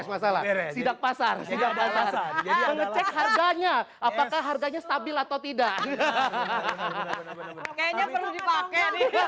masalah sidak pasar tidak bahasa harganya apakah harganya stabil atau tidak hahaha